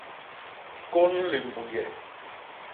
Kôn limbuye.